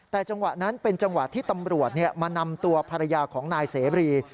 แต่จังหวะนั้นเป็นจังหวะที่ตำรวจมานำตัวภรรยาของนายเสบรี